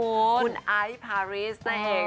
คุณไอภาริสเนี่ยเองนะคะ